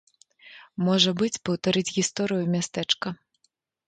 Можа быць, паўтарыць гісторыю мястэчка.